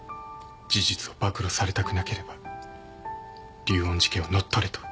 事実を暴露されたくなければ竜恩寺家を乗っ取れと。